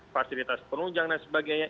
fasilitas penunjang dan sebagainya